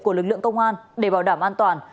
của lực lượng công an để bảo đảm an toàn